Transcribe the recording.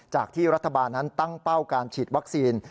จากที่รัฐบาลนั้นตั้งเป้าการฉีดวัคซีน